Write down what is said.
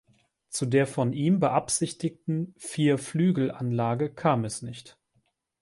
Zu der von ihm beabsichtigten Vierflügelanlage kam es nicht.